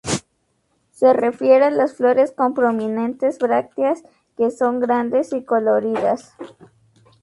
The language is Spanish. Se refiere a las flores con prominentes brácteas, que son grandes y coloridas.